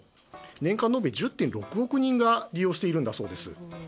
年間で１０．６億人以上が利用しているんだそうです。